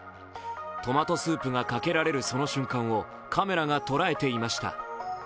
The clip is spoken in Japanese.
トマトスープがかけられるその瞬間をカメラが捉えていました。